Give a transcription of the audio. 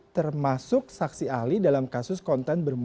termasuk saksi ahli dalam kasus konten bermula